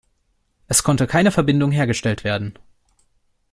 Es konnte keine Verbindung hergestellt werden.